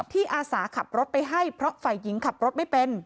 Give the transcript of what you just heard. อาสาขับรถไปให้เพราะฝ่ายหญิงขับรถไม่เป็น